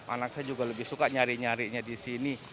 anak saya juga lebih suka nyari nyarinya di sini